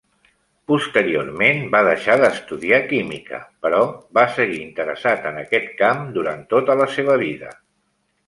Posteriorment, va deixar d"estudiar química però va seguir interessat en aquest camp durant tota la seva vida.